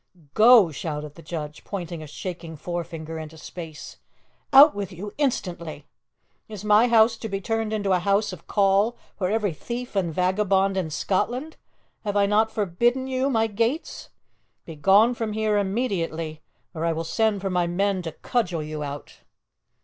"Go!" shouted the judge, pointing a shaking forefinger into space. "Out with you instantly! Is my house to be turned into a house of call for every thief and vagabond in Scotland? Have I not forbidden you my gates? Begone from here immediately, or I will send for my men to cudgel you out!"